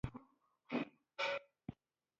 سوغاتونه ورنه کړل.